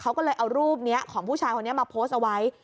เขาก็เลยเอารูปนี้ของผู้ชายคนนี้มาโพสต์เอาไว้